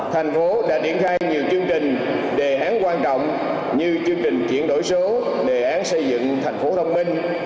thành phố đã điển khai nhiều chương trình đề án quan trọng như chương trình chuyển đổi số đề án xây dựng tp hcm